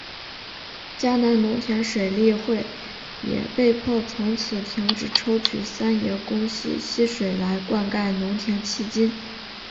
嘉南农田水利会也被迫从此停止抽取三爷宫溪溪水来灌溉农田迄今。